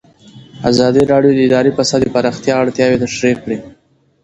ازادي راډیو د اداري فساد د پراختیا اړتیاوې تشریح کړي.